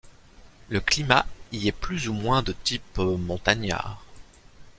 Le climat y est plus ou moins de type montagnard.